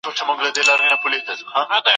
هغه کورنۍ به د امن او سکون محل وي.